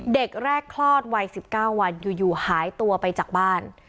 เด็กแรกคลอดวัย๑๙วันอยู่หายตัวไปจากบ้าน